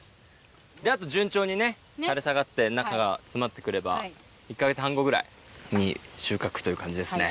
あと順調に垂れ下がって、中が詰まってくれば、１か月半後ぐらいに収穫という感じですね。